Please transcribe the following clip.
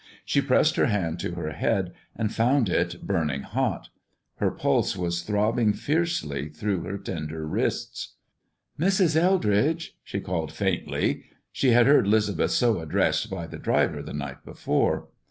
She pressed her hand to her head, and found it burning hot. Her pulse was throbbing fiercely through her slender wrists. "Mrs. Eldridge!" she called faintly. She had heard 'Lisbeth so addressed by the driver the night before.